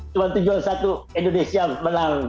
cuma tujuh dan satu indonesia menang